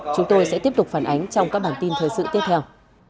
chúng tôi sẽ tiếp tục phản ánh trong các bản tin thời sự tiếp theo